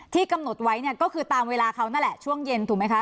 กำหนดไว้เนี่ยก็คือตามเวลาเขานั่นแหละช่วงเย็นถูกไหมคะ